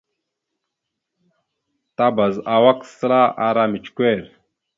Tabaz awak səla ara micəkœr.